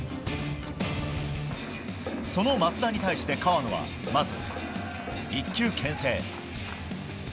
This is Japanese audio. その増田に対して河野はまず１球牽制。